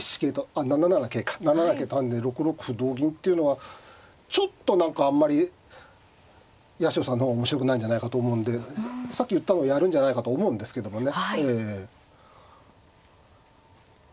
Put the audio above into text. ７七桂と跳ねて６六歩同銀っていうのはちょっと何かあんまり八代さんの方も面白くないんじゃないかと思うんでさっき言ったのをやるんじゃないかと思うんですけどもね。